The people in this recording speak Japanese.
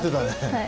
はい。